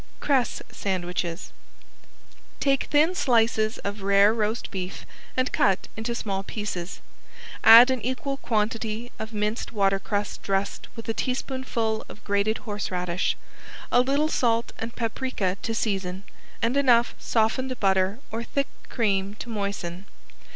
~CRESS SANDWICHES~ Take thin slices of rare roast beef and cut into small pieces. Add an equal quantity of minced watercress dressed with a teaspoonful of grated horseradish, a little salt and paprika to season, and enough softened butter or thick cream to moisten.